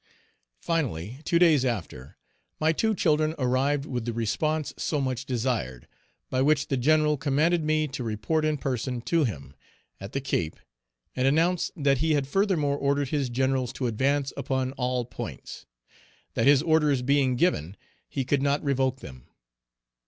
Finally, two days after, my two children arrived with the response so much desired, by which the general commanded me to report in person to him, at the Cape, and announced that he had furthermore ordered his generals to advance upon all points; that his orders being given, he could not revoke them.